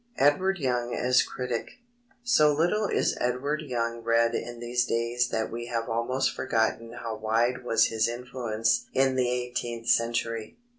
IX. EDWARD YOUNG AS CRITIC So little is Edward Young read in these days that we have almost forgotten how wide was his influence in the eighteenth century.